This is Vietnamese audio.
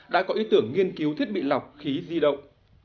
đã có ý tưởng nghiên cứu thiết bị lọc khí di động